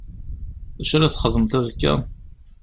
D acu ara txedmeḍ azekka?